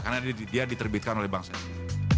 karena dia diterbitkan oleh bank sentral